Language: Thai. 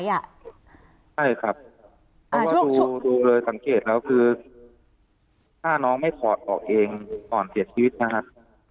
ใช่ครับเพราะว่าดูเลยสังเกตแล้วคือถ้าน้องไม่ถอดออกเองก่อนเสียชีวิตนะครับ